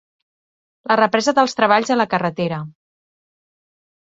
La represa dels treballs a la carretera.